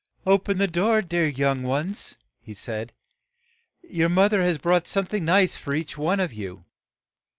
"Open the door, dear young ones," he said; "your moth er has brought some thing nice for each one of you."